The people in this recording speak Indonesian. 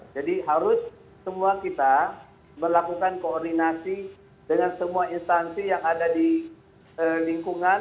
jadi harus semua kita berlakukan koordinasi dengan semua instansi yang ada di lingkungan